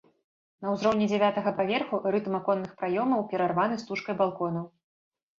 На ўзроўні дзявятага паверху рытм аконных праёмаў перарваны стужкай балконаў.